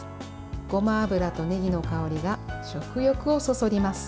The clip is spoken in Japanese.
ごま油とねぎの香りが食欲をそそります。